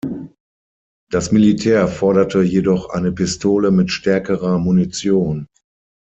Das Militär forderte jedoch eine Pistole mit stärkerer Munition.